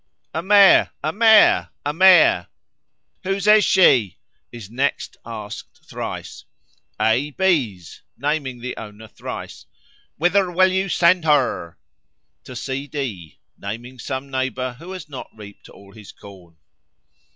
"A Mare! a Mare! a Mare!" "Whose is she?" is next asked thrice. "A. B.'s," naming the owner thrice. "Whither will you send her?" "To C. D.," naming some neighbour who has not reaped all his corn.